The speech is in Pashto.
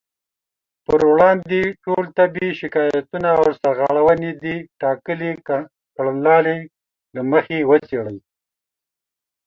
پر وړاندې ټول طبي شکايتونه او سرغړونې د ټاکلې کړنلارې له مخې وڅېړي